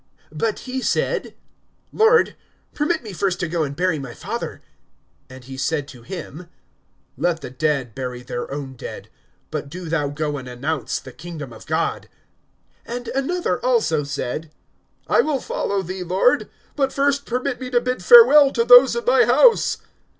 But he said: Lord permit me first to go and bury my father. (60)And he said to him: Let the dead bury their own dead; but do thou go and announce the kingdom of God. (61)And another also said; I will follow thee, Lord; but first permit me to bid farewell to those in my house.